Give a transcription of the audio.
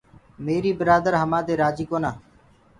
ميري برآدآر همآدي رآجي ڪونآ۔